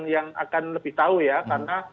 yang akan lebih tahu ya karena